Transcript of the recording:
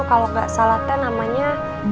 kalau enggak salah namanya